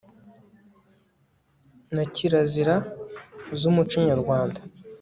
na kirazira z'umuco nyarwanda